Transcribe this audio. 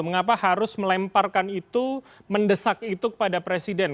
mengapa harus melemparkan itu mendesak itu kepada presiden